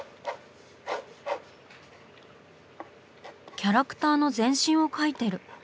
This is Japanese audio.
キャラクターの全身を描いてる。